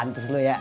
terus lo ya